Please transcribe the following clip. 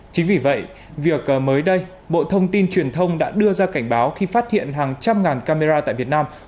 chính vì vậy việc mới đây bộ thông tin truyền thông đã đưa ra cảnh báo khi phát hiện hàng trăm ngàn camera tại việt nam